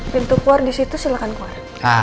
pintu keluar disitu silahkan keluar